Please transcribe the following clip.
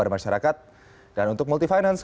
masyarakat dan untuk multifinance